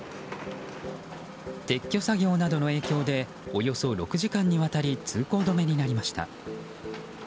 撤去作業などの影響でおよそ６時間にわたり通行止めになりました。